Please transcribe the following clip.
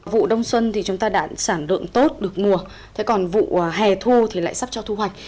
vụ đông xuân thì chúng ta đã sản lượng tốt được mùa thế còn vụ hè thu thì lại sắp cho thu hoạch